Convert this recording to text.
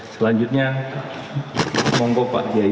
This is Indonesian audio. selanjutnya mohon bapak diayani